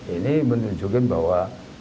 ini menunjukkan bahwa